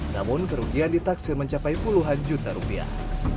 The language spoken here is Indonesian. namun kerugian ditaksir mencapai puluhan juta rupiah